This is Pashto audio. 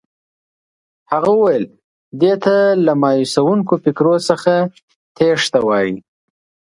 هغه وویل دې ته له مایوسوونکو فکرو څخه تېښته وایي.